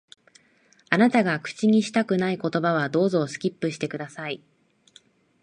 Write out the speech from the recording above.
あなたが口にしたくない言葉は、どうぞ、スキップして下さい。